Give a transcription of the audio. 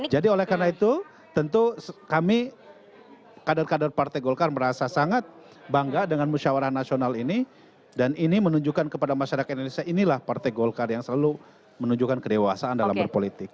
jadi oleh karena itu tentu kami kader kader partai golkar merasa sangat bangga dengan musyawarah nasional ini dan ini menunjukkan kepada masyarakat indonesia inilah partai golkar yang selalu menunjukkan kedewasan dalam berpolitik